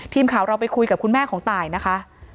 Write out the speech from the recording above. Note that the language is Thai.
ทีมข่าวเราไปคุยกับคุณแม่ของตายนะคะ